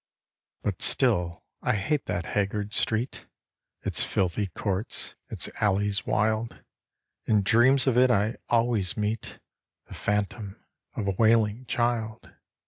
But still I hate that haggard street, Its filthy courts, its alleys wild; In dreams of it I always meet The phantom of a wailing child.